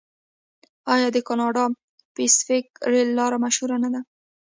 آیا د کاناډا پیسفیک ریل لار مشهوره نه ده؟